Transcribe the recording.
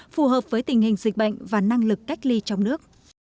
phù hợp với tình hình dịch bệnh và năng lực cách ly trong nước